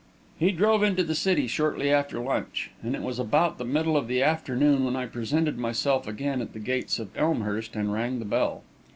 He drove into the city shortly after lunch, and it was about the middle of the afternoon when I presented myself again at the gates of Elmhurst and rang the bell.